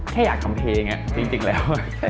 แค่อยากทำเพลงจริงแล้ว